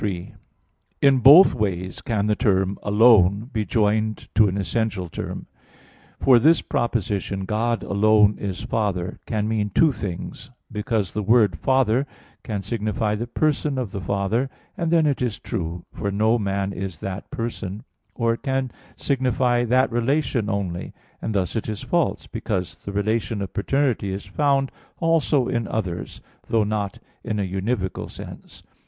3: In both ways can the term "alone" be joined to an essential term. For this proposition, "God alone is Father," can mean two things, because the word "Father" can signify the person of the Father; and then it is true; for no man is that person: or it can signify that relation only; and thus it is false, because the relation of paternity is found also in others, though not in a univocal sense.